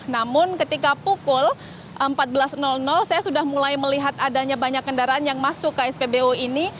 namun ketika pukul empat belas saya sudah mulai melihat adanya banyak kendaraan yang masuk ke spbu ini